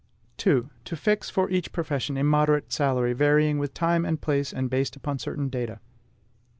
2. TO FIX FOR EACH PROFESSION A MODERATE SALARY, VARYING WITH TIME AND PLACE AND BASED UPON CERTAIN DATA.